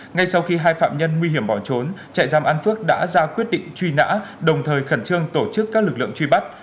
ngay sau khi hai phạm nhân nguy hiểm bỏ trốn trại giam an phước đã ra quyết định truy nã đồng thời khẩn trương tổ chức các lực lượng truy bắt